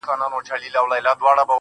يه پر ما گرانه ته مي مه هېروه~